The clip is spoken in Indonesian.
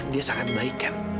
dia sangat baik kan